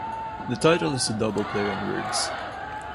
The title is a double play on words.